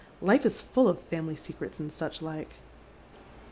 " Life is full of family secrets and such Uke."